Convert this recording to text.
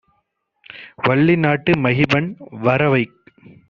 வள்ளி நாட்டு மகிபன் வரவைக்